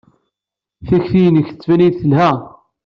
Takti-nnek tettban-iyi-d telha.